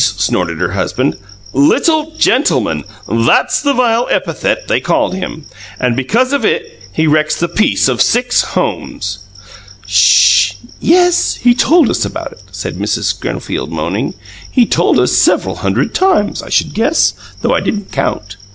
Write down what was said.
snorted her husband. "'Little gentleman!' THAT'S the vile epithet they called him! And because of it he wrecks the peace of six homes!" "SH! Yes; he told us about it," said Mrs. Schofield, moaning. "He told us several hundred times, I should guess, though I didn't count.